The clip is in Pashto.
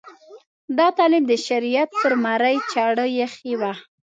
دا طالب د شریعت پر مرۍ چاړه ایښې وه.